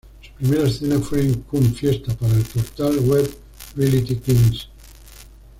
Su primera escena fue en "Cum Fiesta" para el portal web Reality Kings.